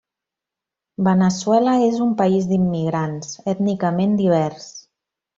Veneçuela és un país d'immigrants, ètnicament divers.